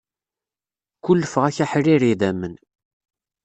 Kullfeɣ-ak aḥrir idamen.